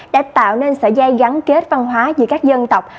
đã tạo nên sợi dây gắn kết văn hóa giữa các dân tộc